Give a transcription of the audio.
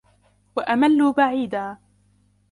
وَأَمَّلُوا بَعِيدًا